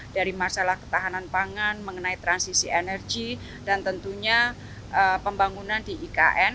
dari masalah ketahanan pangan mengenai transisi energi dan tentunya pembangunan di ikn